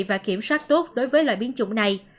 và kiểm soát tốt đối với loại biến chủng này